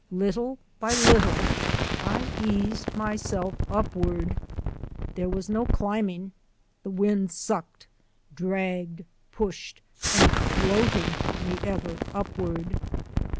Little by little I eased myself upward. There was no climbing; the wind sucked, dragged, pushed, and floated me ever upward.